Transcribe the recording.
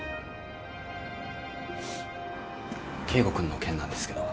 圭吾君の件なんですけど。